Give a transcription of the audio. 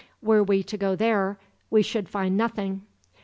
Were we to go there, we should find nothing.